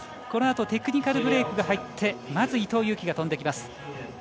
このあとテクニカルブレークが入ってまず、伊藤有希が飛んできます。